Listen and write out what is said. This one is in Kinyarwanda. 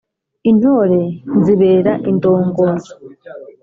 Intore nzibera indongozi.